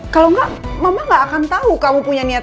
kalau enggak mama gak akan tahu kamu punya niat